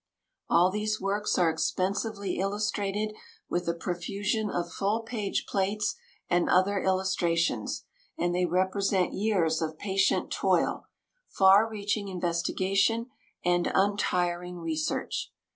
All these works are expensively illustrated with a profusion of full page plates and other illustrations, and they represent years of patient toil, far reaching investigation, and untiring research.